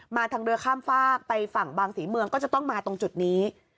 ทางเรือข้ามฝากไปฝั่งบางศรีเมืองก็จะต้องมาตรงจุดนี้